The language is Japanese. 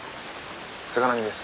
菅波です。